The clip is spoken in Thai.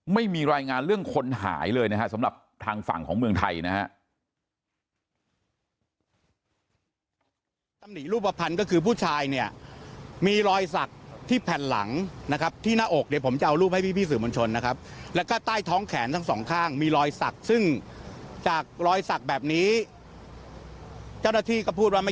ไม่มีรายงานเรื่องคนหายเลยนะฮะสำหรับทางฝั่งของเมืองไทยนะฮะ